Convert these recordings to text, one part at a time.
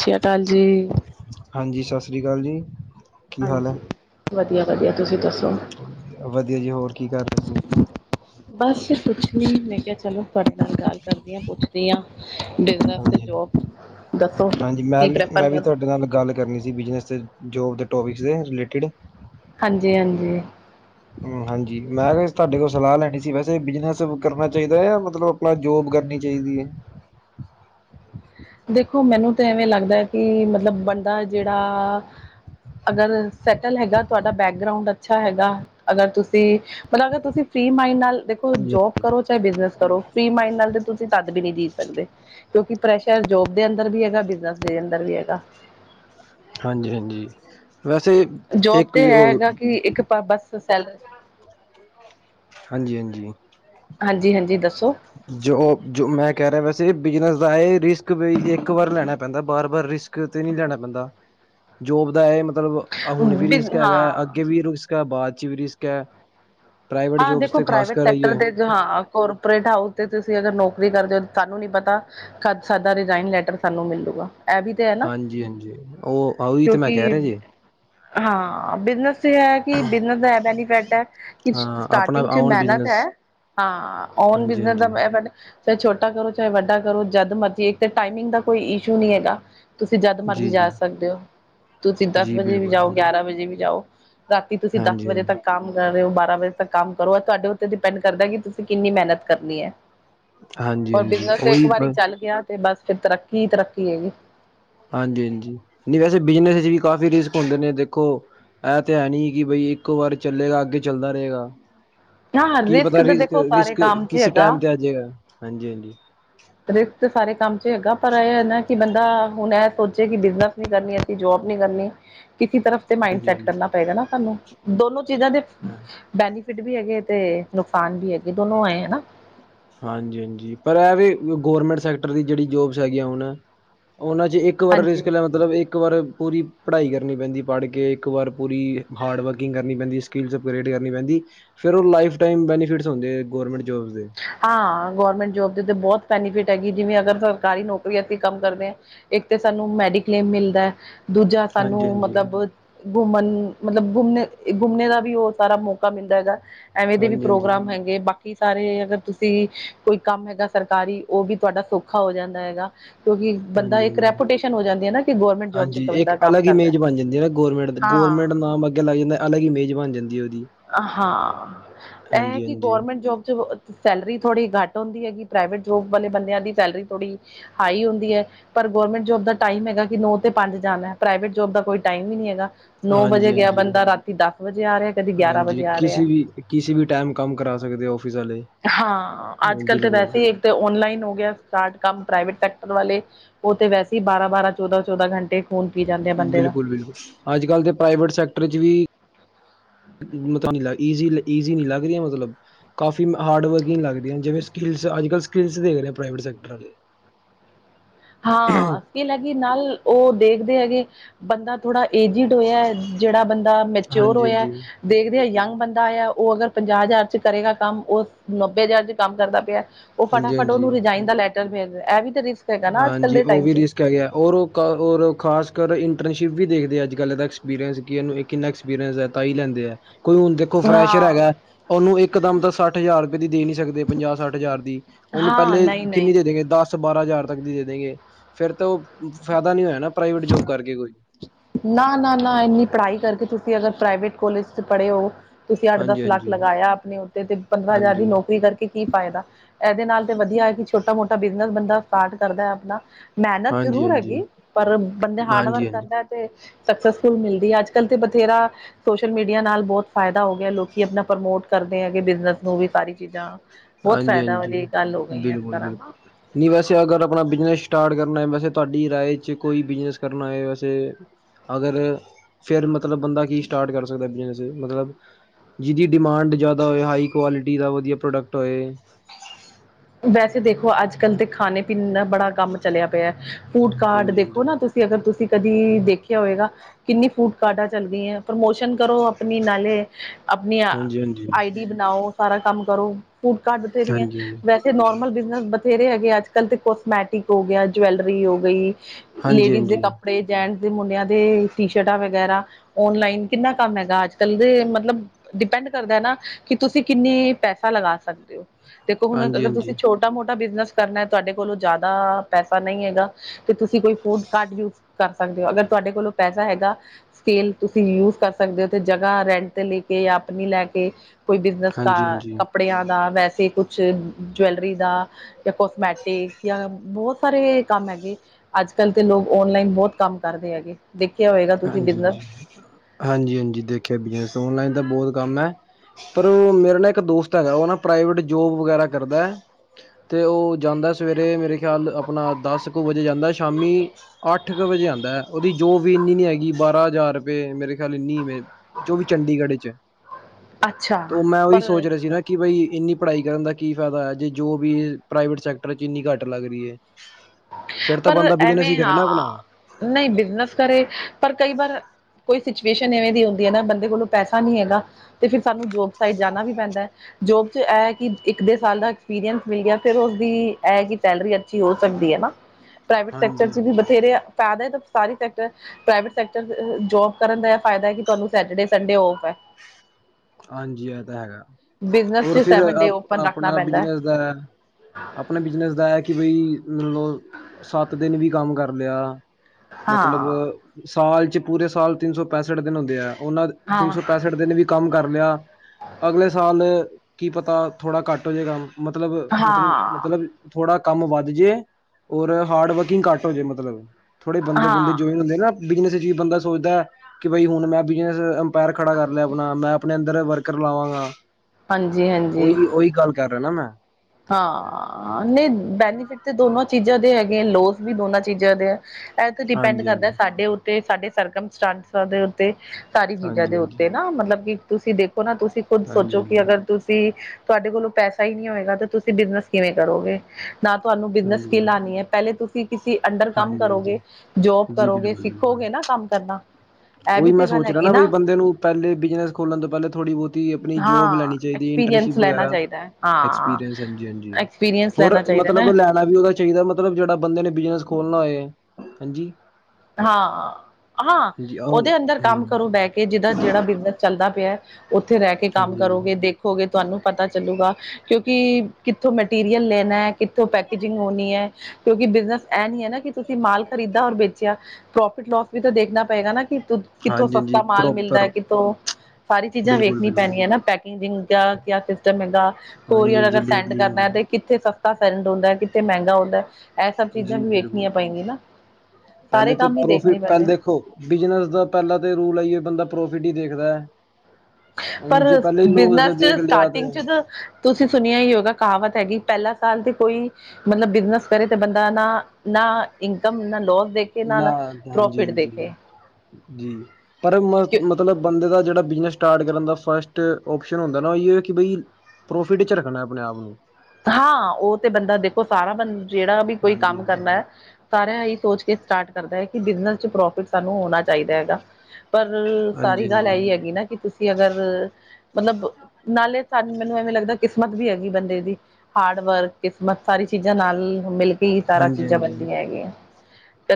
ਸਤ ਸ਼੍ਰੀ ਅਕਾਲ ਜੀ। ਹਾਂਜੀ, ਸਤਿ ਸ੍ਰੀ ਅਕਾਲ ਜੀ। ਕੀ ਹਾਲ ਹਾਂਜੀ, ਹੈ ਵਧੀਆ-ਵਧੀਆ, ਤੁਸੀਂ ਦੱਸੋ? ਵਧੀਆ ਜੀ, ਹੋਰ, ਕੀ ਕਰ ਰਹੇ ਸੀ? ਬਸ ਕੁਛ ਨੀ, ਮੈਂ ਕਿਹਾ ਚਲੋ ਤੁਹਾਡੇ ਨਾਲ ਗੱਲ ਕਰਦੀ ਆ, ਪੁੱਛਦੀ ਆ, ਬਿਜਨਸ ਤੇ ਹਾਂਜੀ ਜੋਬ ਦੱਸੋ, ਹਾਂਜੀ ਮੈਂ ਕੀ ਵੀ ਪ੍ਰੈਫਰ ਮੈਂ ਵੀ ਕਰ ਤੁਹਾਡੇ ਨਾਲ ਗੱਲ ਕਰਨੀ ਸੀ, ਬਿਜਨਸ ਜੋਬ ਦੇ ਟੋਪਿਕਸ ਦੇ, ਰਿਲੇਟੇਡ ਹਾਂਜੀ-ਹਾਂਜੀ। ਹਾਂਜੀ, ਮੈਂ ਕਿਹਾ ਤਹਾਡੇ ਕੋਲ ਸਲਾਹ ਲੈਣੀ ਸੀ, ਵੈਸੇ ਬਿਜਨਸ ਕਰਨਾ ਚਾਹੀਦਾ ਯਾ ਮਤਲਬ ਅਪਣਾ ਜੋਬ ਕਰਨੀ ਚਾਹੀਦੀ ਏ। ਦੇਖੋ ਮੈਨੂੰ ਤਾਂ ਇਵੇਂ ਲੱਗਦਾ ਹੈ ਕਿ, ਮਤਲਬ ਬੰਦਾ ਜਿਹੜਾ ਅਗਰ ਸੈਟਲ ਹੈਗਾ, ਤੁਹਾਡਾ ਬੈਕਗਰਾਊਂਡ ਅੱਛਾ ਹੈਗਾ, ਅਗਰ ਤੁਸੀਂ ਮਤਲਬ ਅਗਰ ਤੁਸੀਂ ਫ੍ਰਰੀ ਮਾਈੰਡ ਨਾਲ ਦੇਖੋ, ਹਾਂਜੀ ਜੋਬ ਕਰੋ ਚਾਹੇ ਬਿਜਨਸ ਕਰੋ, ਫਰੀ ਮਾਈੰਡ ਨਾਲ ਤੁਸੀਂ ਤਦ ਵੀ ਨਈ ਜੀ ਸਕਦੇ, ਕਿਉਂਕਿ ਪ੍ਰੈ ਸ਼ਰ ਜੋਬ ਦੇ ਅੰਦਰ ਵੀ ਹੈਗਾ, ਬਿਜਨਸ ਦੇ ਅੰਦਰ ਵੀ ਹੈਗਾ। ਹਾਂਜੀ -ਹਾਂਜੀ ਵੈਸੇ ਜੋਬ ਇੱਕ ਤੇ ਏ ਹੈਗਾ ਉਹ- ਕਿ, ਇੱਕ ਪਰਪਸ ਸੈਲ। ਹਾਂਜੀ -ਹਾਂਜੀ। ਹਾਂਜੀ -ਹਾਂਜੀ ਦੱਸੋ ਜੋ-ਜੋ ਮੈਂ ਕਹਿ ਰਿਹਾ, ਵੈਸੇ ਬਿਜਨਸ ਦਾ ਇਹ ਰਿਸਕ ਵੀ ਇੱਕ ਵਾਰ ਲੈਣਾ ਪੈਂਦਾ, ਬਾਰ-ਬਾਰ ਰਿਸਕ ਤੇ' ਨੀ ਲੈਣਾ ਪੈਂਦਾ, ਜੋਬ ਦਾ ਇਹ ਮਤਲਬ ਹੁਣ ਵੀ ਬਿ ਰਿਸਕ ਹੈਗਾ, ਹਾਂ ਅੱਗੇ ਵੀ ਰਕ ਕਿਆ ਬਾਅਦ ਚ'ਵੀ ਰਿਸਕ ਹੈ ਪ੍ਰਾਈ ਹਾਂ ਦੇਖੋ ਪ੍ਰਾਈਵੇਟ ਸੈਕਟਰ ਦੇ ਹਾਂ ਕੋਪੋਰੇਟ ਹਾਊਸ ਤੇ ਤੁਸੀਂ ਅਗਰ ਨੌਕਰੀ ਕਰਦੇ ਹੋ, ਸਾਨੂੰ ਨੀ ਪਤਾ ਕਦ ਸਾਡਾ ਰਿਜ਼ਾਇਨ ਲੈਟਰ ਸਾਨੂੰ ਮਿਲੂਗਾ, ਏ ਵੀ ਤੇ ਹੈ ਨਾ ਹਾਂਜੀ-ਹਾਂਜੀ ਓ ਉਹੀ ਤੇ ਮੈਂ ਕਹਿ ਕਿਉਂਕਿ ਰਿਹਾ ਜੀ ਹਾਂ ਬਿਜਨਸ ਹੈ ਕਿ, ਬਿਜਨਸ ਦਾ ਏ ਬੈਨੀਫਿਟ ਹੈ ਕਿ ਹਾਂ ਆਪਣਾ ਸਟਾਰਟਿੰਗ ਚ' ਓਨ ਮਿਹਨਤ ਬਿਜਨਸ ਹੈ, ਹਾਂ ਓਨ ਹਾਂਜੀ ਬਿਜਨਸ ਦਾ ਹਾਂਜੀ ਬਟ ਚਾਹੇ ਛੋਟਾ ਕਰੋ- ਚਾਹੇ ਵੱਡਾ ਕਰੋ- ਜਦ ਮਰਜ਼ੀ, ਇੱਕ ਤਾਂ ਟਾਈਮਿੰਗ ਦਾ ਕੋਈ ਇਸ਼ੂ ਨੀ ਹੈਗਾ ਤੁਸੀਂ ਜਦ ਮਰਜ਼ੀ ਜੀ ਜਾ ਜੀ ਸਕਦੇ ਹੋ, ਤੁਸੀਂ ਦਸ ਜੀ ਵਜੇ ਵੀ ਬਿਲਕੁਲ ਜਾਓ- ਬਿਲਕੁਲ ਗਿਆਰਾਂ ਵਜੇ ਵੀ ਜਾਓ ਰਾਤੀ ਤੁਸੀਂ ਦਸ ਹਾਂਜੀ ਵਜੇ ਹਾਂਜੀ ਤੱਕ ਕੰਮ ਕਰ ਰਹੇ ਹੋ, ਬਾਰਾਂ ਵਜੇ ਤੇ ਕੰਮ ਕਰੋ, ਤੁਹਾਡੇ ਉੱਤੇ ਡਿਪੈਂਡ ਕਰਦਾ ਕਿ ਤੁਸੀਂ ਕਿੰਨੀ ਮਿਹਨਤ ਕਰਨੀ ਏ। ਹਾਂਜੀ ਹੋਰ ਹਾਂਜੀ ਬਿਜਨਸ ਇੱਕ ਉਹੀ ਵਾਰੀ ਬ ਚੱਲ ਗਿਆ, ਤੇ ਬਸ ਫਿਰ ਤਰੱਕੀ- ਤਰੱਕੀ ਹੈਗੀ ਹਾਂਜੀ। ਨਹੀਂ ਵੈਸੇ ਬਿਜਨਸ ਵਿੱਚ ਵੀ ਕਾਫ਼ੀ ਰਿਸਕ ਹੁੰਦੇ ਨੇ ਦੇਖੋ ਇਹ ਤੇ ਹੈ, ਨੀ ਕਿ ਬਈ ਇੱਕੋ ਵਾਰ ਚੱਲੇਗਾ- ਅੱਗੇ ਚੱਲਦਾ ਰਹੇਗਾ ਹਾਂ ਕੀ ਰਿਸਕ ਪਤਾ ਤਾਂ ਦੇਖੋ ਸਾਰੇ ਰਿਸਕ-ਰਿਸਕ ਕੰਮ ਚ ਕਿਸ ਹੈਗਾ ਟੈਮ ਤੇ ਆਜੇਗਾ ਹਾਂਜੀ-ਹਾਂਜੀ। ਰਿਸਕ ਤੇ ਸਾਰੇ ਕੰਮ ਚ' ਹੈਗਾ, ਪਰ ਇਹ ਹੈ ਨਾ ਕਿ ਬੰਦਾ ਹੁਣ ਇਹ ਸੋਚੇ ਕਿ ਬਿਜਨਸ ਨੀ ਕਰਨੀ ਹੈ ਕੀ ਜੋਬ ਨੀ ਕਰਨੀ ਕਿਸੀ ਤਰਫ ਤੇ' ਮਾਇੰਡ ਹਾਂਜੀ ਸੈਟ ਹਾਂਜੀ ਕਰਨਾ ਪਏਗਾ ਨਾ ਤੁਹਾਨੂੰ ਦੋਨੋ ਚੀਜ਼ਾਂ ਦੇ ਹਾਂ ਬੈਨੀਫਿਟ ਵੀ ਹੈਗੇ ਤੇ ਨੁਕਸਾਨ ਵੀ ਹੈਗੇ ਦੋਨੋਂ ਆਏ ਹੈਾ। ਹਾਂਜੀ-ਹਾਂਜੀ ਪਰ ਇਹ ਵੀ ਗਰਮੈਂਟ ਸੈਕਟਰ ਦੀ ਜਿਹੜੀ ਜੋਬਸ ਹੈਗੀਆਂ ਉਹਨਾਂ ਚ' ਇੱਕ ਇੱਕ ਵਾਰ ਹਾਂਜੀ ਰੀਸਕ ਲਿਆ, ਮਤਲਬ ਇੱਕ ਇੱਕ ਵਾਰ ਪੂਰੀ ਪੜ੍ਹਾਈ ਕਰਨੀ ਪੈਂਦੀ ਪੜ੍ਹ ਕੇ, ਇੱਕ ਵਾਰ ਪੂਰੀ ਹਾਰਡ ਵਰਕਿੰਗ ਕਰਨੀ ਪੈਂਦੀ ਸਕ੍ਰੀਏਟ ਕਰਨੀ ਪੈਂਦੀ, ਫਿਰ ਉਹ ਲਾਈਫ ਟਾਈਮ ਬੈਨੀਫਿਟਸ ਹੁੰਦੇ ਆ ਗੌਰਰਮੈਂਟ ਜੋਬਸ ਦੇ ਹਾਂ ਗੌਰਮੈਂਟ ਜੋਬ ਦੇ ਉੱਤੇ ਬਹੁਤ ਬੈਨੀਫਿਟ ਹੈਗੀ, ਜਿਵੇਂ ਅਗਰ ਸਰਕਾਰੀ ਨੌਕਰੀ ਅਸੀਂ ਕੰਮ ਕਰਦੇ ਹਾਂ ਇੱਕ ਤੇ ਸਾਨੂੰ ਮੈਡੀਕਲੇਮ ਮਿਲਦਾ ਆ, ਦੂਜਾ ਸਾਨੂੰ ਹਾਂਜੀ-ਹਾਂਜੀ, ਹਾਂਜੀ-ਹਾਂਜੀ, ਮਤਲਬ ਘੁੰਮਣ ਮਤਲਬ ਘੁੰਮਨ-ਘੁੰਮਨੇ ਦਾ ਵੀ ਉਹ ਸਾਰਾ ਮੌਕਾ ਮਿਲਦਾ ਹੈਗਾ ਐਵੇਂ ਦੇ ਵੀ ਹਾਂਜੀ-ਹਾਂਜੀ, ਪ੍ਰੋਗਰਾਮ ਹੈਗੇ ਬਾਕੀ ਸਾਰੇ ਅਗਰ ਤੁਸੀਂ ਕੋਈ ਕੰਮ ਹੈਗਾ ਸਰਕਾਰੀ, ਉਹ ਵੀ ਤੁਹਾਡਾ ਸੌਖਾ ਹੋ ਜਾਂਦਾ ਹੈਗਾ ਕਿਉਂਕਿ ਬੰਦਾ ਹਾਂਜੀ ਇੱਕ ਹਾਂਜੀ ਹਾਂਜੀ ਰੈਪੂਟੇਸ਼ਨ ਹੋ ਜਾਂਦੀ ਹੈ ਨਾ, ਕਿ ਗੌਰਮੈਂਟ ਜੋਬ ਚ ਹਾਂਜੀ ਇੱਕ ਬੰਦਾ ਕੰਮ ਕਰਦਾ ਤੇ' ਹਾਂ ਗੌਰਰਮੈਂਟ ਨਾਮ ਅੱਗੇ ਲੱਗ ਜਾਂਦਾ, ਅਲਗ ਹੀ ਇਮੇਜ ਬਣ ਜਾਂਦੀ ਆ ਉਹਦੀ ਹਾਂ ਇਹ ਆ ਕਿ ਹਾਂਜੀ-ਹਾਂਜੀ, ਗੌਰੌਰਮੈਂਟ ਜੋਬ 'ਚ ਸੈਲਰੀ ਥੋੜ੍ਹੀ ਘੱਟ ਹੁੰਦੀ ਹੈਗੀ, ਪ੍ਰਾਈਵੇਟ ਜੋਬ ਵਾਲੇਆ ਬੰਦਿਆਂ ਦੀ ਸੈਲਰੀ ਥੋੜ੍ਹੀ ਹਾਈ ਹੁੰਦੀ ਹੈ ਪਰ ਗੌਰਰਮੈਂਟ ਜੋਬ ਦਾ ਟਾਈਮ ਹੈਗਾ ਕਿ ਨੌ ਤੇ ਪੰਜ ਜਾਣਾ, ਪ੍ਰਾਈਵੇਟ ਜੋਬ ਦਾ ਕੋਈ ਟਾਈਮ ਵੀ ਨੀ ਹੈਗਾ ਨੌ ਵਜੇ ਗਿਆ ਹਾਂਜੀ-ਹਾਂਜੀ, ਹਾਂਜੀ ਬੰਦਾ ਰਾਤੀ ਦਸ ਵਜੇ ਆ ਰਿਹਾ, ਕਦੀ ਗਿਆਰ ਹਾਂਜੀ ਕਿਸੀ ਵੀ ਕਿਸੀ ਵੀ ਟਾਈਮ ਕੰਮ ਕਰਾ ਸਕਦੇ ਹੋ ਆਫਿਸ ਆਲੇ ਹਾਂ ਅੱਜ ਕੱਲ੍ਹ ਤਾਂ ਵੈਸੇ ਹੀ ਇੱਕ ਤਾਂ ਔਨਲਾਈਨ ਹੋ ਗਿਆ ਸਟਾਰਟ ਕੰਮ ਪ੍ਰਾਈਵੇਟ ਸੈਕਟਰ ਵਾਲੇ ਉਹ ਤੇ ਵੈਸੇ ਈ ਬਾਰਾਂ-ਬਾਰਾਂ ਚੌਦਾਂ-ਚੌਦਾਂ ਘੰਟੇ ਖੂਨ ਪੀ ਜਾਂਦੇ ਆ ਬੰਦੇ ਦਾ ਬਿਲਕੁਲ ਬਿਲਕੁਲ [unintelligible] ਅੱਜ ਕੱਲ੍ਹ ਦੇ ਪ੍ਰਾਈਵੇਟ ਸੈਕਟਰ ਚ ਵੀ ਮਬ ਨੀਜ਼ੀ [unintelligible] ਈਜ਼ੀ ਨੀ ਲੱਗ ਰਹੀਆਂ ਮਤਲਬ ਕਾਫੀ ਹਾਰਡ ਵਰਕਿੰਗ ਲੱਗਦੀਆਂ ਜਿਵੇਂ ਸਕਿੱਲਸ ਅੱਜ ਕੱਲ੍ਹ ਸਕਿੱਲਸ ਦੇਖ ਰਹੇ ਪ੍ਰਾਈਵੇਟ ਸੈਕਟਰ ਹਾਂ ਕੀ ਲੱਗੀ ਨਾਲ ਉਹ ਦੇਖਦੇ ਹੈਗੇ ਬੰਦਾ ਥੋੜਾ ਏਜਿਡ ਹੋਇਆ ਜਿਹੜਾ ਬੰਦਾ ਮੈਚਓਰ ਹਾਂਜੀ ਹੋਇਆ ਹਾਂਜੀ ਦੇਖਦੇ ਹਾਂ ਯੰਗ ਬੰਦਾ ਆਇ ਉਹ ਅਗਰ ਪੰਜਾਹ ਹਜ਼ਾਰ 'ਚ ਕਰੇਗਾ ਕੰਮ ਉਹ ਨੱਬੇ ਹਜ਼ਾਰ 'ਚ ਕੰਮ ਕਰਦਾ ਪਿਆ ਉਹ ਹਾਂਜੀ ਫਟਾਫਟ ਉਹਨੂੰ ਹਾਂਜੀ ਰਿਜਾਇਨ ਦਾ ਲੈਟਰ ਭੇਜਦੇ ਐਹ ਵੀ ਤਾਂ ਰ ਹਾਂਜੀ ਉਹ ਵੀ ਰਿਸ ਕਹਿ ਗਿਆ ਔ ਉਹ ਕ ਰ ਖਾਸ ਕਰ ਇੰਟਰਸ਼ਿਪ ਵੀ ਦੇਖਦੇ ਆ ਅੱਜ ਕੱਲ ਇਹਦਾ ਐਕਸਪੀਰੀਅੰਸ ਕਿੰਨਾ ਐਕਸਪੀ ਰੀਅੰਸ ਤਾਂ ਹੀ ਲੈਂਦੇ ਕੋਈ ਹੁਣ ਦੇਖੋ ਫਰੈਸ਼ਰ ਹਾਂ ਹੈਗਾ ਐ ਉਹਨੂੰ ਇੱਕ ਦਮ ਤਾਂ ਸੱਠ ਹਜ਼ਾਰ ਰੁਪਏ ਦੀ ਦੇ ਨੀ ਸਕਦੇ, ਪੰਜਾਹ ਸੱਠ ਹਜ਼ਾਰ ਦੀ ਉਹਨੂੰ ਹਾਂ ਪਹਿਲੇ ਨਹੀਂ ਨਹੀਂ ਕਿੰਨੀ ਦੇ ਦੇਗੇ ਦਸ ਬਾਰਾਂ ਹਜ਼ਾਰ ਤੱਕ ਦੀ ਦੇ ਦੇਗੇ ਫੇਰ ਤਾਂ ਉਹ ਫਾਇਦਾ ਨੀ ਹੋਇਆ ਨਾ ਪ੍ਰਾਈਵੇਟ ਜੋਬ ਕਰਕੇ ਕੋਈ ਨਾ ਨਾ ਨਾ ਇੰਨੀ ਪੜ੍ਹਾਈ ਕਰਕੇ ਤੁਸੀਂ, ਅਗਰ ਪ੍ਰਾਈਵੇਟ ਕੋਲੇਜ ਪੜ੍ਹੇ ਓ ਤੁਸੀਂ ਅੱਠ ਦਸ ਹਾਂਜੀ ਲੱਖ ਹਾਂਜੀ ਹਾਂਜੀ ਲਗਾਇਆ ਆਪਣੇ ਉੱਤੇ ਤੇ ਪੰਦਰਾਂ ਹਜ਼ਾਰ ਦੀ ਹਾਂਜੀ ਨੌਕਰੀ ਕਰਕੇ ਕੀ ਫਾਇਦਾ ਇਹਦੇ ਨਾਲ ਤੇ ਵਧੀਆ ਹੈ ਕਿ ਛੋਟਾ ਮੋਟਾ ਬਿਜਨਸ ਬੰਦਾ ਸਟਾਰਟ ਕਰਦਾ ਹੈ ਆਪਣਾ ਮਿਹਨਤ ਹਾਂਜੀ ਜ਼ਰੂਰ ਹੈਗੀ ਪਰ ਬੰਦੇ ਹਾਰਡ ਹਾਂਜੀ ਵਰਕ ਹਾਂਜੀ ਕਰਦਾ ਤੇ ਸਕਸੈਸਫੁਲ ਮਿਲਦੀ ਅੱਜ ਕੱਲ੍ਹ ਤੇ ਬਥੇਰਾ ਸੋਸ਼ਲ ਮੀਡੀਆ ਨਾਲ ਬਹੁਤ ਫਾਇਦਾ ਹੋ ਗਿਆ ਲੋਕੀ ਆਪਣਾ ਪ੍ਰਮੋਟ ਕਰਦੇ ਹੈਗੇ ਬਿਜਨਸ ਨੂੰ ਵੀ ਸਾਰੀ ਚੀਜ਼ਾਂ ਬਹੁਤ ਹਾਂਜੀ ਫਾਇਦਾ ਹਾਂਜੀ ਵਾਲੀ ਗੱਲ ਹੋ ਗਈ ਹੈ ਇਸ ਬਿਲਕੁਲ ਤਰ੍ਹਾਂ ਬਿਲਕੁਲ ਨਾ ਨਹੀਂ ਵੈਸੇ ਅਗਰ ਆਪਣਾ ਬਿਜਨਸ ਸਟਾਰਟ ਕਰਨਾ ਐ, ਵੈਸੇ ਤੁਹਾਡੀ ਰਾਏ ਚ ਕੋਈ ਬਿਜਨਸ ਕਰਨਾ ਐ ਵੈਸੇ ਅਗਰ ਫਿਰ ਮਤਲਬ ਬੰਦਾ ਕੀ ਸਟਾਰਟ ਕਰ ਸਕਦਾ ਬਿਜਨਸ ਮਤਲਬ ਜਿਹਦੀ ਡਿਮਾਂਡ ਜ਼ਿਆਦਾ ਹੋਏ ਹਾਈ ਕੁਆਲਿਟੀ ਦਾ ਵਧੀਆ ਪ੍ਰੋਡਕਟ ਹੋਏ ਵੈਸੇ ਦੇਖੋ ਅੱਜ ਕੱਲ੍ਹ ਤਾਂ ਖਾਣੇ ਪੀਣ ਦਾ ਬੜਾ ਕੰਮ ਚਲਿਆ ਪਿਆ ਫੂਡ ਕਾਰਡ ਹਾਂਜੀ ਦੇਖੋ ਹਾਂਜੀ ਨਾ ਤੁ ਸੀ ਅਗਰ ਤੁਸੀਂ ਕਦੀ ਦੇਖਿਆ ਹੋਏਗਾ ਕਿੰਨੀ ਫੂਟ ਕਾਰਡਾਂ ਚੱਲਦੀਆ ਪ੍ਰਮੋਸ਼ਨ ਕਰੋ ਆਪਣੀ ਨਾਲੇ ਆਪਣੀ ਹਾਂਜੀ ਹਾਂਜੀ ਆਈ ਡੀ ਬਣਾਓ ਸਾਰਾ ਕੰਮ ਕਰੋ ਫੂਡ ਕਾਰ ਬਥੇਰੀਆਂ ਹਾਂਜੀ ਵੈਸੇ ਨੋਰਮਲ ਬਿਜਨਸ ਬਥੇਰੇ ਹੈਗੇ ਅੱਜ ਕੱਲ ਤੇ ਕੋਸਮੈਟਿਕ ਹੋ ਗਿਆ ਜੁੈਲਰੀ ਹੋ ਗਈ ਹਾਂਜੀ ਲੇਡੀਜ਼ ਦੇ ਹਾਂਜੀ ਕੱਪੜੇ ਜੈਂਟਸ ਦੇ ਮੁੰਡਿਆਂ ਦੇ ਟੀ ਸ਼ਰਟਾਂ ਵਗੈਰਾ ਔਨਲਾਈਨ ਕਿੰਨਾ ਕੰਮ ਹੈਗਾ ਅੱਜ ਕੱਲ੍ਹ ਦੇ ਮਤਲਬ ਡਿਪੈਂਡ ਕਰਦਾ ਹੈ ਨਾ ਕਿ, ਤੁਸੀਂ ਕਿੰਨੀ ਪੈਸਾ ਲਗਾ ਸਕਦੇ ਓ ਹੁਣ ਹਾਂਜੀ ਅਗਰ ਤੁਸੀਂ ਹਾਂਜੀ ਛੋਟਾ- ਮੋਟਾ ਬਿਜਨਸ ਕਰਨਾ ਤੁਹਾਡੇ ਕੋਲੋਂ ਜ਼ਿਆਦਾ ਪੈਸਾ ਨਹੀਂ ਹੈਗਾ ਤੇ ਤੁਸੀਂ ਕੋਈ ਫੂਡ ਕਾਰਟ ਯੂਜ਼ ਕਰ ਸਕਦੇ ਹੋ ਅਗਰ ਤੁਹਾਡੇ ਕੋਲੋਂ ਪੈਸਾ ਹੈਗਾ ਸਕੇਲ ਤੁਸੀਂ ਯੂਜ ਕਰ ਸਕਦੇ ਓ ਜਗ੍ਹਾ ਰੈਂਟ ਤੇ ਲੈ ਕੇ ਜਾਂ ਆਪਣੀ ਲੈ ਕੇ ਕੋਈ ਬਿਜਨਸ ਕ ਹਾਂਜੀ ਹਾਂਜੀ ਹਾਂਜੀ ਕੱਪੜਿਆਂ ਦਾ ਵੈਸੇ ਕੁਛ ਜੂਐਲਰੀ ਦਾ ਜਾਂ ਕੋਸਮੈਟਿਕ ਜਾਂ ਬਹੁਤ ਸਾਰੇ ਕੰਮ ਹੈਗੇ ਅੱਜ ਕੱਲ੍ਹ ਤੇ ਲੋਕ ਔਨਲਾਈਨ ਬਹੁਤ ਕੰਮ ਕਰਦੇ ਹੈਗੇ ਦੇਖਿਆ ਹੋਏਗਾ ਤੁਸੀਂ ਬਿਜਨਸ ਹਾਂਜੀ ਹਾਂਜੀ ਹਾਂਜੀ ਦੇਖਿਆ ਬਿਜਨਸ ਔਨਲਾਈਨ ਦਾ ਬਹੁਤ ਕੰਮ ਐ ਪਰ ਉਹ ਮੇਰੇ ਨਾਲ ਇੱਕ ਦੋਸਤ ਹੈਗਾ ਉਹ ਨਾ ਪ੍ਰਾਈਵੇਟ ਜੋਬ ਵਗੈਰਾ ਕਰਦਾ ਐ ਤੇ ਉਹ ਜਾਂਦਾ ਸਵੇਰੇ ਮੇਰੇ ਖਿਆਲ ਆਪਣਾ ਦਸ ਕੁ ਵਜੇ ਜਾਂਦਾ ਸ਼ਾਮੀ ਅੱਠ ਕੁ ਵਜੇ ਆਉਂਦਾ ਹੈ, ਉਹਦੀ ਜੋ ਵੀ ਇੰਨੀ ਨੀ ਹੈਗੀ ਬਾਰਾਂ ਹਜ਼ਾਰ ਰੁਪਏ ਮੇਰੇ ਖਿਆਲ ਇੰਨੀ ਵੇ ਉਹ ਵੀ ਚੰਡੀਗੜ੍ਹ ਚ ਅੱਛਾ ਤੋ ਮੈਂ ਓਹੀ ਪਰ ਸੋਚ ਰੇਹਾ ਸੀ ਨਾ। ਕਿ ਬਈ ਏਨੀ ਪੜ੍ਹਾਈ ਕਰਨ ਦਾ ਕੀ ਫਾਇਦਾ ਹੋਯਾ, ਜੇ ਜੋਬ ਈ ਪ੍ਰਾਈਵੇਟ ਸੈਕਟਰ ਚ ਇੰਨੀ ਘੱਟ ਲੱਗ ਰਹੀ ਏ। ਪਰ ਐਵੇਂ ਹਾਂ ਨਾ ਆਪਣਾ ਨਈ ਬਿਜ਼ਨਸ ਕਰੇ, ਪਰ ਕਈ ਵਾਰ ਕੋਈ ਸਿਚੁਏਸ਼ਨ ਐਵੇਂ ਦੀ ਹੁੰਦੀ ਏ ਨਾ ਬੰਦੇ ਕੋਲੋਂ ਪੈਸਾ ਨੀ ਹੈਗਾ ਤੇ ਫਿਰ ਸਾਨੂੰ ਜੋਬ ਸਾਈਡ ਜਾਣਾ ਵੀ ਪੈਂਦਾ। ਜੋਬ ਚ ਏਹ ਕਿ ਇੱਕ-ਡੇਢ ਸਾਲ ਦਾ ਐਕਸਪੀਰੀੰਸ ਮਿਲ ਗਿਆ ਫੇਰ ਉਸਦੀ ਏਹ ਕਿ ਸੈਲਰੀ ਅੱਛੀ ਹੋ ਸਕਦੀ ਏ ਨਾ। ਪ੍ਰਾਈਵੇਟ ਸੈਕਟਰ ਹਾਂਜੀ ਚ ਵੀ ਹਾਂਜੀ ਬਥੇਰੇ ਫਾਇਦੇ ਏ ਤਾਂ ਸਾਰੇ ਸੈਕਟਰ ਪ੍ਰਵੇਟ ਸੈਕਟਰ ਅਹ ਆ ਜੋਬ ਕਰਨ ਦਾ ਏਹ ਫਾਇਦਾ ਏ ਕਿ ਤੁਹਾਨੂੰ ਸੈਟਰਡੇ ਸੰਡੇ ਅਫ ਐ। ਹਾਂਜੀ ਏਹ ਤਾਂ ਹੈਗਾ, ਬਿਜਨਸ ਹੋਰ ਚ ਫਿਰ ਸੈਵਨ ਆਪਣਾ ਬਿਜ਼ਨਸ ਦਾ ਹਾਂ। ਆਪਣੇ ਬਿਜ਼ਨਸ ਦਾ ਏ ਕਿ ਬਈ ਮਤਲਬ ਸੱਤ ਦਿਨ ਵੀ ਕੰਮ ਕਰ ਲਿਆ ਮਤਲਬ ਹਾਂ ਸਾਲ ਚ ਪੂਰੇ ਸਾਲ ਤਿੰਨ ਸੌ ਪੈਂਸਠ ਦਿਨ ਹੁੰਦੇ ਆ, ਓਨਾਂ ਤਿੰਨ ਹਾਂ ਸੌ ਪੈਂਸ ਸਠ ਦਿਨ ਵੀ ਕੰਮ ਕਰ ਲਿਆ, ਅਗਲੇ ਸਾਲ ਕੀ ਪਤਾ ਥੋੜਾ ਘੱਟ ਹੋ ਜੇ ਕੰਮ ਹਾਂ ਮਤਲਬ-ਮਤਲਬ-ਮਤਲਬ। ਥੋੜਾ ਕਾਮ ਵੱਧ ਜੇ ਔਰ ਹਾਰਡ ਵਰਕਿੰਗ ਘੱਟ ਹੋ ਜੇ ਮਤਲਬ ਥੋੜੇ ਬੰਦੇ-ਬੁੰਦੇ ਹਾਂ ਜੁਆਇਨ ਹੁੰਦੇ ਆ ਨਾ ਬਿਜ਼ਨਸ ਚ ਬੰਦਾ ਸੋਚਦਾ ਕਿ ਬਈ ਹੁਣ ਮੈਂ ਬਿਜਨਸ ਪੈਰ ਖੜਾ ਕਰ ਲਿਆ ਆਪਣਾ, ਮੈਂ ਆਪਣੇ ਅੰਦਰ ਵਰਕਰ ਲਾਵਾਂਗਾ ਹਾਂਜੀ ਹਾਂਜੀ ਉਹੀ- ਉਹੀ ਗੱਲ ਕੇਹ ਰੇਹਾ ਨਾ ਮੈਂ ਹਾਂ ਨੀ ਬੈਨੀਫਿਟ ਤੇ ਦੋਨਾਂ ਚੀਜ਼ਾਂ ਦੇ ਹੈਗੇ, ਲੋਸ ਵੀ ਦੋਨਾਂ ਚੀਜ਼ਾਂ ਦੇ ਆ। ਏਹ ਤੇ ਡਿਪੈਂਡ ਹਾਂਜੀ ਕਰਦਾ ਹਾਂਜੀ ਏ ਸਾਡੇ ਉੱਤੇ, ਸਾਡੇ ਸਰਕਮਸਟਾਂਸਸ ਦੇ ਉੱਤੇ ਸਾਰੀ ਚੀਜ਼ਾਂ ਹਾਂਜੀ ਦੇ ਹਾਂਜੀ ਉੱਤੇ ਨਾ, ਮਤਲਬ ਕਿ ਤੁਸੀਂ ਦੇਖੋ ਨਾ ਤੁਸੀਂ ਖੁੱਦ ਹਾਂਜੀ ਸੋਚੋ ਕਿ ਹਾਂਜੀ ਅਗਰ ਤੁਸੀਂ ਤੁਹਾਡੇ ਕੋਲੋਂ ਪੈਸਾ ਹੀ ਨੀ ਹੋਏਗਾ ਤੇ ਤੁਸੀਂ ਬਿਜ਼ਨਸ ਕਿਵੇਂ ਕਰੋਗੇ, ਨਾ ਤੁਹਾਨੂੰ ਬਿਜ਼ਨਸ ਸਕਿੱਲ ਹਾਂਜੀ ਆਣੀ ਏ। ਪੈਲੇ ਤੁਸੀਂ ਕਿਸੀ ਅੰਡਰ ਕੰਮ ਹਾਂਜੀ ਹਾਂਜੀ ਕਰੋਗੇ, ਜੋਬ ਜੀ ਕਰੋਗੇ ਬਿਲਕੁਲ ਬਿਲਕੁਲ ਸਿੱਖੋਗੇ ਨਾ ਕੰਮ ਕਰਨਾ ਇਹ ਉਹੀ ਵੀ ਮੈਂ ਤੇ ਗੱਲ ਸੋਚ ਰਿਹਾ ਹੈਗੀ ਨਾ ਬਾਈ ਬੰਦੇ ਨੂੰ ਪੈਲੇ ਬਿਜ਼ਨਸ ਖੋਲਣ ਤੋਂ ਪੈਲੇ ਥੋੜੀ ਬੋਤੀ ਆਪਣੀ ਜੋਬ ਹਾਂ ਲੈਣੀ ਚਾਇਦੀ ਐ, ਇੰਟਰਸਿਪ ਐਕਸਪੀਰੀਅੰਸ ਲੈਣਾ ਵਗੈਰਾ ਚਾਹੀਦਾ ਹੈ ਹਾਂ ਐਕਸਪੀਰੀਅੰਸ ਹਾਂਜੀ-ਹਾਂਜੀ, ਐਕਸਪੀਰੀਅੰਸ ਹੋਰ ਲੈਣਾ ਚਾਹੀਦਾ ਮਤਲਬ ਨਾ ਲੈ ਣਾ ਵੀ ਓਦਾ ਚਾਈਦਾ ਮਤਲਬ ਜੇੜਾ ਬੰਦੇ ਨੇ ਬਿਜ਼ਨਸ ਖੋਲਣਾ ਹੋਏ ਹਾਂਜੀ ਹਾਂਆ ਹਾਂ, ਹਾਂਜੀ ਆਹ ਹੁਣ- ਓਦੇ ਅੰਦਰ ਹਮ ਕੰਮ ਕਰੋ ਬੈਕੇ ਜਿੱਦਾਂ ਜੇੜਾ ਬਿਜ਼ਨਸ ਚੱਲਦਾ ਪਿਆ ਏ। ਉੱਥੇ ਰੇਹ ਕੇ ਕੰਮ ਹਾਂਜੀ ਹਾਂਜੀ ਕਰੋਗੇ, ਦੇਖੋਗੇ ਤੁਹਾਨੂੰ ਪਤਾ ਚੱਲੂਗਾ। ਕਿਉਂਕਿ ਕਿੱਥੋਂ ਮਟੀਰੀਅਲ ਲੈਣਾ ਏ, ਕਿੱਥੋਂ ਪੈਕੇਜਿੰਗ ਹੋਣੀ ਐ। ਕਿਉਂਕਿ ਬਿਜ਼ਨਸ ਏ ਨੀ ਏ ਨਾ ਕਿ ਤੁਸੀਂ ਮਾਲ ਖਰੀਦਾ ਔਰ ਵੇਚਿਆ। ਪ੍ਰੋਫਿਟ ਲੋਸ ਵੀ ਤਾਂ ਦੇਖਣਾ ਪਏਗਾ ਨਾ ਕਿ ਕਿੱਥੋਂ ਹਾਂਜੀ ਹਾਂਜੀ ਸਸਤਾ ਮਾਲ ਮਿਲਦਾ ਪ੍ਰੋਪਰ ਐ ਕਿੱਥੋਂ ਸਾਰੀ ਚੀਜ਼ਾਂ ਬਿਲਕੁਲ ਵੇਖੀਆਂ ਬਿਲਕੁਲ ਪੈਣੀਆਂ ਨਾ, ਪੈਕਿੰਜਿੰਗ ਦਾ ਕਿਆ ਸਿਸਟਮ ਹੈਗਾ। ਹਾਂਜੀ ਕੋਰੀਅਰ ਹਾਂਜੀ ਅਗਰ ਸੈਂਡ ਲੇਬਲਿੰਗ ਕਰਨਾ ਤੇ ਕਿੱਥੇ ਸਸਤਾ ਸੇਂਡ ਹੁੰਦਾ ਏ, ਕਿੱਥੇ ਮਹਿੰਗਾ ਹੁੰਦਾ ਏ। ਇਹ ਸਭ ਚੀਜ਼ਾਂ ਵੀ ਵੇਖਣੀਆਂ ਪਏਗੀਆਂ ਨਾ। ਪੈਲੇ ਸਾਰੇ ਤੇ ਕੰਮ ਹੀ ਪ੍ਰੋਫਿਟ ਦੇਖਣੇ ਪੈਲੇ ਪੈਣੇ ਦੇਖੋ ਬਿਜ਼ਨਸ ਦਾ ਪੈਲਾਂ ਤਾਂ ਰੂਲ ਆਈ ਏ, ਬੰਦਾ ਪ੍ਰੋਫਿਟ ਈ ਦੇਖਦਾ ਏ। ਪਰ ਬਿਜ਼ਨਸ ਚ ਦੇਖ ਲਿਆ ਤੇ ਸਟਾਰਟਿੰਗ ਚ ਤ ਤੁਸੀਂ ਸੁਣਿਆ ਈ ਹੋਗਾ, ਕਹਾਵਤ ਹੈਗੀ ਪੈਲਾਂ ਸਾਲ ਤੇ ਕੋਈ ਮਤਲਬ ਬਿਜ਼ਨਸ ਕਰੇ ਤੇ ਬੰਦਾ ਨਾ-ਨਾ ਇਨਕਮ, ਨਾ ਲੋਸ ਦੇਖੇ ਦੇਖੇ, ਨਾ ਪ੍ਰੋਫਿਟ ਦੇਖੇ। ਜੀ-ਜੀ। ਪਰ ਮ ਕਿ ਮਤਲਬ ਬੰਦੇ ਦਾ ਜੇੜਾ ਬਿਜ਼ਨਸ ਸਟਾਰਟ ਕਰਨ ਦਾ ਫਸਟ ਆਪਸ਼ਨ ਹੁੰਦਾ ਨਾ ਓਹ ਓ ਕਿ ਬਈ ਪ੍ਰੋਫਿਟ ਚ ਰੱਖਣਾ ਏ ਆਪਣੇ ਆਪ ਨੂੰ। ਹਾਂ ਉਹ ਤੇ ਬੰਦਾ ਦੇਖੋ ਸਾਰਾ ਬੰ ਜੇੜਾ ਵੀ ਕੋਈ ਹਾਂਜੀ ਕੰਮ ਹਾਂਜੀ ਕਰਨਾ ਐ ਸਾਰਿਆਂ ਹੀ ਸੋਚ ਕੇ ਸਟਾਰਟ ਕਰਦਾ ਐ ਕਿ ਬਿਜ਼ਨਸ ਚ ਪ੍ਰੋਫਿਟ ਸਾਨੂੰ ਹੋਣਾ ਚਾਈਦਾ ਹੈਗਾ। ਪਰ ਸਾਰੀ ਹਾਂਜੀ ਗੱਲ ਐਈ ਹਾਂਜੀ ਹੈਗੀ ਨਾ, ਕੇ ਤੁਸੀਂ ਅਗਰ ਮਲਬ ਨਾਲੇ ਸਾਨੂੰ ਮੇਨੂੰ ਐਵੇਂ ਲੱਗਦਾ ਕਿਸਮਤ ਵੀ ਹੈਗੀ ਬੰਦੇ ਦੀ ਹਾਡ ਵਰਕ ਕਿਸਮਤ ਸਾਰੀ ਚੀਜ਼ਾਂ ਨਾਲ ਮੀਲ ਕੇ ਹੀ ਸਾਰਾ ਚੀਜ਼ਾਂ ਹਾਂਜੀ ਬਣਦੀਆਂ ਹੈਗੀਆਂ ਆ।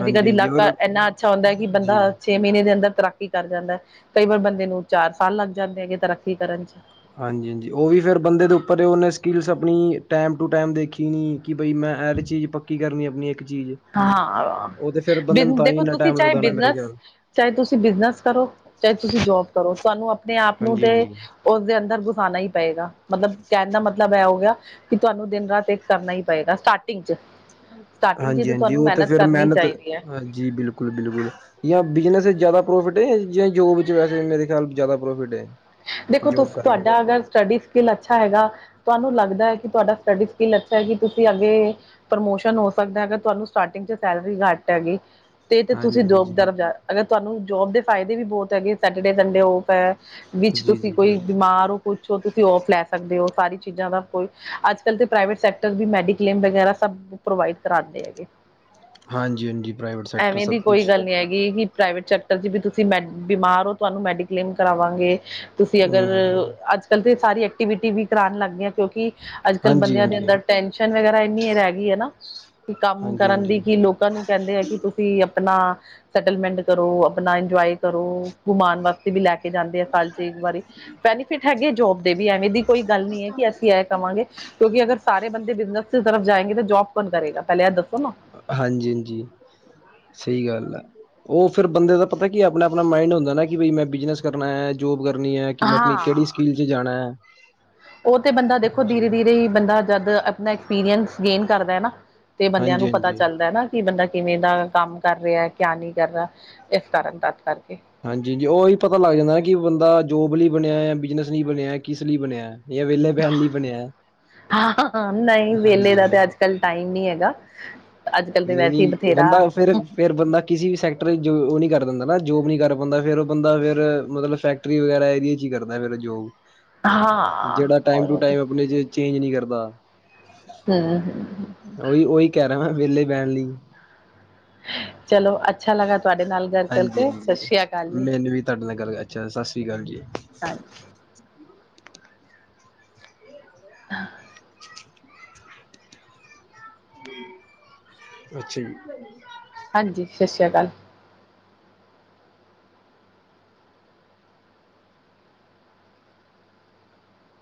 ਹਾਂਜੀ ਹਾਂਜੀ ਲਾਕਾ ਹੋਰ ਐਨਾ ਅੱਛਾ ਹੁੰਦਾ ਆ ਕੀ ਬੰਦਾ ਜੀ ਛੇ ਮੀਨੇ ਦੇ ਅੰਦਰ ਤਾਰਾਕੀ ਕਰ ਜਾਂਦਾ ਐ ਕਈਵਰ ਬੰਦੇ ਨੂੰ ਚਾਰ ਸਾਲ ਲੱਗ ਜਾਂਦੇ ਹੈਗੇ ਤਰਾਕੀ ਕਰਨ ਚ। ਹਾਂਜੀ ਜੀ, ਓ ਵੀ ਫੇਰ ਬੰਦੇ ਦੇ ਉੱਪਰ ਓਨੇ ਸਕਿੱਲਸ ਆਪਣੀ ਟੈਮ ਟੂ ਟੈਮ ਦੇਖੀ ਨੀ ਕਿ ਬਈ ਮੈਂ ਐ ਚੀਜ਼ ਪੱਕੀ ਕਰਨੀ ਆਪਣੀ ਇੱਕ ਚੀਜ਼। ਹਾਂਅ ਉਹ ਤੇ ਫਿਰ ਬੰਦੇ ਨੂੰ ਬ ਤਾਂ ਹੀ ਦੇਖੋ ਇੰਨਾ ਤੁਸੀਂ ਟਾਈਮ ਚਾਹੇ ਲੱਗਦਾ ਹੋਣਾ ਮੇਰੇ ਬੀਜਨਸ ਖਿਆਲ ਚਾਏ ਤੁਸੀਂ ਬਿਜਨਸ ਕਰੋ, ਚਾਏ ਤੁਸੀਂ ਜੋਬ ਕਰੋ ਤੁਹਾਨੂੰ ਆਪਣੇ ਆਪ ਨੂੰ ਹਾਂਜੀ ਤੇ ਹਾਂਜੀ ਓਸਦੇ ਅੰਦਰ ਗੁਸਾਣਾ ਈ ਪਏਗਾ, ਮਲਬ ਕੈਣ ਦਾ ਮਤਲਬ ਐ ਗੇਆ ਕੇ ਤੁਹਾਨੂੰ ਦੇਨ ਰਾਤ ਇੱਕ ਕਰਨਾ ਈ ਪਏਗਾ ਸਟਾਟੀਂਗ ਚ। ਸਟਾਰਟਿੰਗ ਚ ਤਾਂ ਹਾਂਜੀ-ਹਾਂਜੀ ਤੁਹਾਨੂੰ ਓਤੇ ਮਿਹਨਤ ਫੇਰ ਕਰਨੀ ਮੈਨਤ ਚਾਹੀਦੀ ਹੈ ਹਾਂਜੀ ਬਿਲਕੁਲ- ਬਿਲਕੁਲ ਯਾ ਬਿਜਨਸ ਚ ਜਾਦਾ ਪ੍ਰੋਫਿਟ ਏ ਯਾ ਜ ਜੋਬ ਚ ਵੈਸੇ ਮੇਰੇ ਖੇਆਲ ਜਾਦਾ ਪ੍ਰੋਫੇਟ ਏ। ਦੇਖੋ ਤੁਸ ਤੁਆਡਾ ਅਗਰ ਸਟਾਡੀਸ ਕਿੱਲ ਅੱਛਾ ਹੈਗਾ, ਤੁਆਨੂੰ ਲੱਗਦਾ ਐ ਕੀ ਤੁਆਡਾ ਸਟੱਡੀ ਕਿੱਲ ਅੱਛਾ ਐ ਕੇ ਤੁਸੀਂ ਅੱਗੇ ਪ੍ਰਮੋਸ਼ਨ ਹੋ ਸਕਦਾ ਏ ਅਗਰ ਤੁਆਨੂੰ ਸਟਾਟੀਂਗ ਚ ਸੈਲਰੀ ਘੱਟ ਹੈਗੀ ਤੇ ਤੇ ਤੁਸੀਂ ਹਾਂਜੀ ਜੋਬ ਹਾਂਜੀ ਦਰਜਾਓ, ਅਗਰ ਤੁਹਾਨੂੰ ਜੋਬ ਦੇ ਫਾਈਦੇ ਵੀ ਬੋਤ ਹੈਗੇ ਸੈਟਰਡੇ ਸੰਡੇ ਓਫ ਵਿੱਚ ਜੀ ਤੁਸੀਂ ਜੀ ਕੋਈ ਬਿਲਕੁਲ ਬੀਮਾਰ ਓ ਕੁੱਛੋ ਤੁਸੀਂ ਔਫ ਲੈ ਸਕਦੇ ਹੋ, ਸਾਰੀ ਚੀਜ਼ਾਂ ਦਾ ਕੋਈ ਅੱਜ- ਕੱਲ੍ਹ ਤਾਂ ਪ੍ਰਾਈਵੇਟ ਸੈਕਟਰ ਵੀ ਮੈਡੀਕਲੇਮ ਵਗੈਰਾ ਸਭ ਪ੍ਰੋਵਾਈਡ ਕਰਾਦੇ ਹੈਗੇ। ਹਾਂਜੀ ਹਾਂਜੀ ਪ੍ਰਾਈਵੇਟ ਸੈਕਟਰ ਐਵੇਂ ਸਭ ਦੀ ਕੋਈ ਕੁਛ ਗੱਲ ਨੀ ਹੈਗੀ, ਕੇ ਪ੍ਰਾਈਵੇਟ ਚ ਪਰ ਜੀਵੇ ਤੁਸੀਂ ਮੈ ਬੀਮਾਰ ਹੋ ਤੁਹਾਨੂੰ ਮੈਡੀਕਲੇਮ ਕਰਾਵਾਂਗੇ ਤੁਸੀਂ ਹਮ, ਅਗਰ ਹਾਂਜੀ ਅੱਜ-ਕੱਲ ਤੇ ਸਾਰੀ ਐਕਟੀਵਿਟੀ ਵੀ ਕਰਾਣ ਲੱਗ ਗਈ ਐ ਕੋਕੀ ਅੱਜ-ਕੱਲ ਹਾਂਜੀ ਬੰਦੇਆਂ ਦੇ ਹਾਂਜੀ ਅੰਦਰ ਟੈਸ਼ਨ ਵਗੈਰਾ ਏਨੀ ਰੈ ਗਈ ਹਏ ਨਾ ਕੰਮ ਹਾਂਜੀ ਕਰਨ ਦੀ ਕੀ ਲੋਕਾਂ ਨੂੰ ਕੈਂਦੇ ਆ ਕਿ ਤੁਸੀਂ ਆਪਣਾ ਸੈਟਲਮੈਂਟ ਕਰੋ ਆਪਣਾ ਇੰਜੋਏ ਕਰੋ ਗਮਾਣ ਵਾਸਤੇ ਵੀ ਲੈ ਕੇ ਜਾਂਦੇ ਆ ਸਾਲ ਚ ਇੱਕ ਵਾਰੀ ਬੈਨੀਫਿਟ ਹੈਗੇ ਜੋਬ ਦੇ ਵੀ ਐਵੇਂ ਦੀ ਕੋਈ ਗੱਲ ਨੀ ਐ ਕੇ ਅਸੀਂ ਏ ਕਵਾਗੇ ਕਿਉਂਕ ਅਗਰ ਸਾਰੇ ਬੰਦੇ ਬਿਜਨਸ ਤਰਫ਼ ਜਾਏਂਗੇ ਤਾਂ ਜੋਬ ਬ ਕਰੇਗਾ ਪੈਲੇ ਐ ਦੱਸੋ ਨਾ। ਹਾਂਜੀ-ਹਾਂਜੀ। ਸਈ ਗੱਲ ਐ ਓ ਫਿਰ ਬੰਦੇ ਦਾ ਪਤਾ ਕੀ ਅਪਣਾ-ਅਪਣਾ ਮਾਈੰਡ ਹੁੰਦਾ ਨਾ ਕਿ ਬ ਮੈਂ ਬੀਜਨਸ ਕਰਨਾ ਐ ਜੋਬ ਕਰਨੀ ਐ ਕੀ ਮੈਂ ਅਪਣੀ ਕੇੜੀ ਸਟਡੀ ਚ ਜਾਣੈ ਓ ਤੇ ਬੰਦਾ ਦੇਖੋ ਦੀਰੇ-ਦੀਰੇ ਹੀ ਬੰਦਾ ਜਦ ਅਪਣਾ ਐਕਸਪੀਰੀਅੰਸ ਗੇਨ ਕਰਦਾ ਹੈ ਨਾ ਤੇ ਬੰਦਿਆਂ ਹਾਂਜੀ ਨੂੰ ਪਤਾ ਹਾਂਜੀ ਚੱਲਦਾ ਐ ਨਾ ਕੀ ਬੰਦਾ ਕਿਵੇਂ ਦਾ ਕੰਮ ਕਰ ਰੇਆ ਏਕਿਆ ਨਈ ਕਰ ਰਾ ਏਸ ਤਾਰਨ ਤਤ ਕਰਕੇ ਹਾਂਜੀ ਜੀ ਓਈ ਪਤਾ ਲੱਗ ਜਾਂਦਾ ਕੀ ਬੰਦਾ ਜੋਬ ਲੀ ਬਣਿਆ ਐ ਬਿਜਨਸ ਲਈ ਬਣੇਆ ਕੀਸ ਲੀ ਬਣੇਐ। [unintelligible] ਹਾਂ ਨਈ ਹਾਂਜੀ ਵੇਲੇ ਦਾ ਹਾਂਜੀ ਤੇ ਅੱਜ-ਕੱਲ ਟਾਈਮ ਨੀ ਹੈਗਾ ਅੱਜ ਕੱਲ ਤੇ ਨੀ-ਨੀ ਵੈਸੇ ਹੀ ਬਥੇਰਾ ਬੰਦਾ ਫੇ--ਰ ਫੇਰ ਬੰਦਾ ਕਿਸੀ ਵੀ ਸੈਕਟਰ ਜੋ ਓ ਨੀ ਕਰ ਦਿੰਦਾ ਨਾ ਜੋਬ ਨੀ ਕਰ ਪੋਂਦਾ ਫੇਰ ਓ ਬੰਦਾ ਫੇਰ ਮਤਲਬ ਫੈਕ ਟਰੀ ਵਗੈਰਾ ਏਦੀ ਚ ਈ ਕਰਦਾ ਫੇਰ ਜੋਗ ਹਾਂ ਜੇੜਾ ਟਾਈਮ ਔਰ ਟੂ ਉਹ ਤੇ ਟਾਈਮ ਆਪਣੇ ਚ ਚੇਂਜ ਨੀ ਕਰਦਾ ਹਮ ਹਮ। ਓਈ-ਓਈ ਕੈ ਰੇਆ ਮੈਂ ਵੇਲੇ ਬੈਣ ਲੀ। ਚਲੋ ਅੱਛਾ ਲੱਗਾ ਤੁਆਡੇ ਨਾਲ ਗੱਲ ਕਰਕੇ ਸਤਿ ਹਾਂਜੀ-ਹਾਂਜੀ ਸ਼੍ਰੀ ਅਕਾਲ ਜੀ ਮੈਨੂੰ ਵੀ ਤੁਹਾਡੇ ਨਾਲ ਗੱਲ ਅੱਛਾ ਸਸਰੀ ਕਾਲ ਜੀ। ਹਾਂਜੀ ਅੱਛਾ ਜੀ। ਹਾਂਜੀ, ਸਤਿ ਸ਼੍ਰੀ ਅਕਾਲ।